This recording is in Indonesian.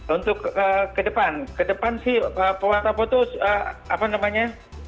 untuk ke depan ke depan sih pohon pohon itu apa namanya